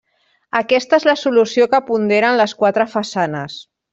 Aquesta és la solució que pondera en les quatre façanes.